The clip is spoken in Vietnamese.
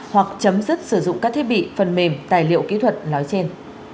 hoặc chấm dứt sử dụng các thiết bị phần mềm tài liệu kỹ thuật nói trên